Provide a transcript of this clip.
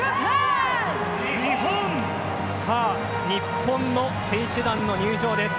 さあ、日本の選手団の入場です。